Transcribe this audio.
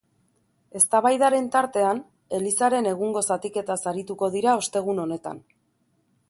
Eztabaidaren tartean, elizaren egungo zatiketaz arituko dira ostegun honetan.